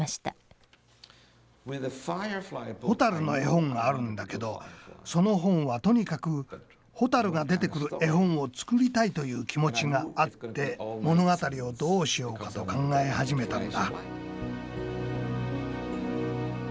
蛍の絵本があるんだけどその本はとにかく蛍が出てくる絵本を作りたいという気持ちがあって物語をどうしようかと考え始めたんだ。